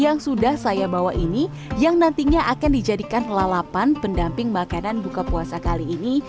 yang sudah saya bawa ini yang nantinya akan dijadikan lalapan pendamping makanan buka puasa kali ini